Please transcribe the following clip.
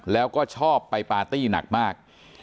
แล้วก็ชอบไปปาร์ตี้หนักมาก